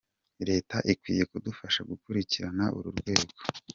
Leta ikwiye kudufasha gukurikirana uru rwego.